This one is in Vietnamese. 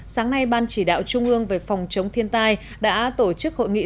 sáng nay ban chỉ đạo trung ương về phòng chống thiên tai đã tổ chức hội nghị